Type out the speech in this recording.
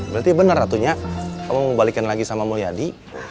berarti benar ratunya kamu mau balikin lagi sama mulyadi